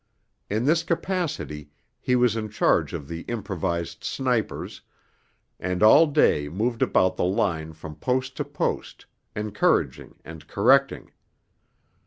In this capacity he was in charge of the improvised snipers, and all day moved about the line from post to post, encouraging and correcting.